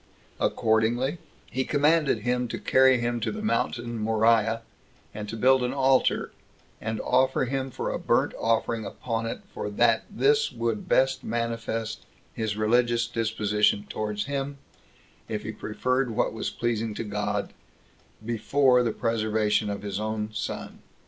Accordingly he commanded him to carry him to the mountain Moriah, and to build an altar, and offer him for a burnt offering upon it for that this would best manifest his religious disposition towards him, if he preferred what was pleasing to God, before the preservation of his own son.